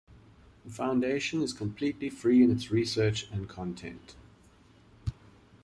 The foundation is completely free in its research and content.